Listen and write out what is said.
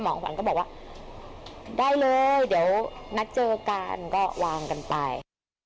ขวัญก็บอกว่าได้เลยเดี๋ยวนัดเจอกันก็วางกันไป